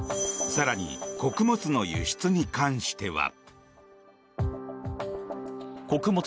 更に穀物の輸出に関しては。